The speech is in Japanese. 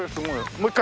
もう１回。